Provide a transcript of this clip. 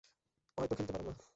অয় তো খেলতে পারুম না।